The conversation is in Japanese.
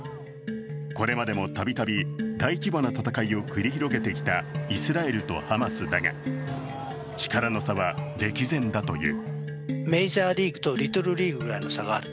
これまでも度々大規模な戦いを繰り広げてきたイスラエルとハマスだが力の差は歴然だという。